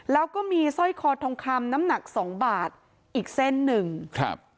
แล้วก็มีสร้อยคอทองคำน้ำหนักสองบาทอีกเส้นหนึ่งครับ